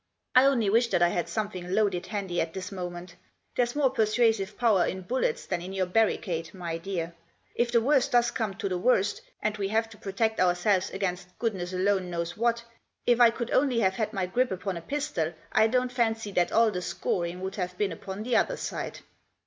I only wish that I had something loaded handy at this moment, there's more persuasive power in bullets than in your barricade, my dear. If the worst does come to the worst, and we have to protect ourselves against goodness alone knows what, if I could only have had my grip upon a pistol I don't fancy that all the scoring would have been upon the other side."